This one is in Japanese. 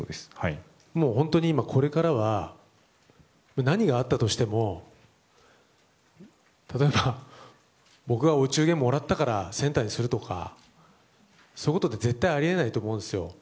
本当にこれからは何があったとしても例えば僕がお中元をもらったからセンターにするとかそういうことって絶対にあり得ないと思うんですよ。